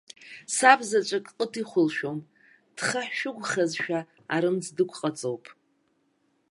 Саб заҵәык ҟыт ихәылшәом, дхаҳәшәыгәхазшәа арымӡ дықәҟаҵоуп.